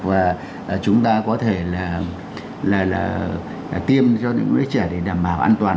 và chúng ta có thể là tiêm cho những đứa trẻ để đảm bảo an toàn